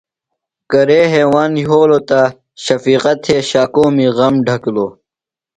کرے ہیواند یھولوۡ تہ شفیقہ تھےۡ شاکومی غم ڈھکِلوۡ۔